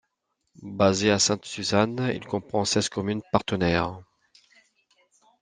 Basé à Sainte Suzanne, il comprend seize communes partenaires.